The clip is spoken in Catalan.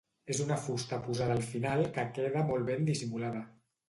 És una fusta posada al final que queda molt ben dissimulada.